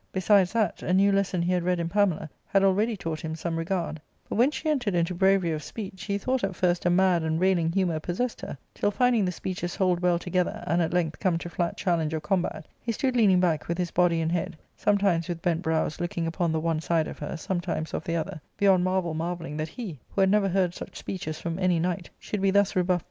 Besides that, a new lesson he had read in Pamela had already taught him some regard ; but when she entered into bravery of speech, he thought at first a mad and railing humour pos sessed her, till finding the speeches hold well together, and at length come to fiat challenge of combat, he stood leaning back with his body and head, sometimes with bent brows looking upon the one side of her, sometimes of the other, beyond marvel marvelling that he, who had never heard such speeches from any knight, should be thus rebuffed